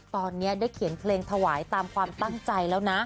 ตอนนี้ได้เขียนเพลงถวายตามความตั้งใจแล้วนะ